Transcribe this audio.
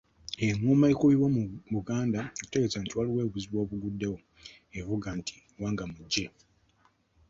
Engoma ekubibwa mu Buganda okutegeeza nti waliwo obuzibu obuguddewo evuga nti Ggwangamujje.